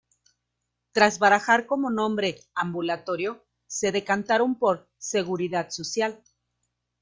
Tras barajar como nombre ‘ambulatorio', se decantaron por "Seguridad Social".